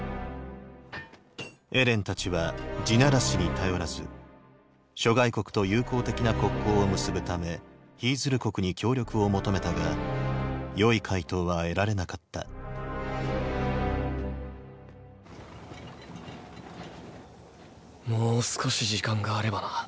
エレンたちは「地鳴らし」に頼らず諸外国と友好的な国交を結ぶためヒィズル国に協力を求めたが良い回答は得られなかったもう少し時間があればな。